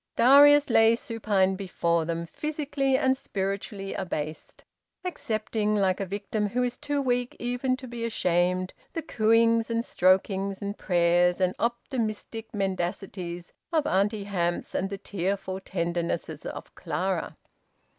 Darius lay supine before them, physically and spiritually abased, accepting, like a victim who is too weak even to be ashamed, the cooings and strokings and prayers and optimistic mendacities of Auntie Hamps, and the tearful tendernesses of Clara.